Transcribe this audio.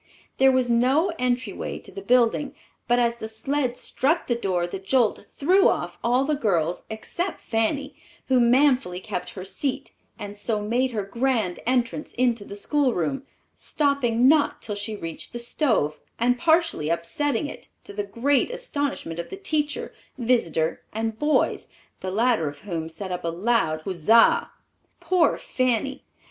There was no entryway to the building, but as the sled struck the door the jolt threw off all the girls except Fanny, who manfully kept her seat; and so made her grand entrance into the schoolroom, stopping not till she reached the stove, and partially upsetting it, to the great astonishment of the teacher, visitor, and boys, the latter of whom set up a loud huzza. Poor Fanny!